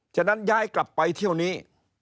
ฉะนั้นย้ายกลับไปเที่ยวนี้